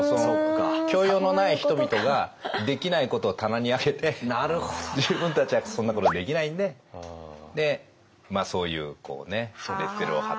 教養のない人々ができないことを棚に上げて自分たちはそんなことできないんでそういうねレッテルを貼った。